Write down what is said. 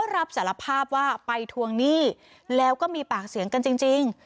รับสารภาพว่าไปทวงหนี้แล้วก็มีปากเสียงกันจริง